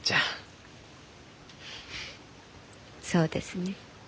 そうですね。